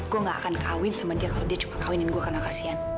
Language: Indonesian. gue gak akan kawin sama dia kalau dia cuma kawinin gue karena kasihan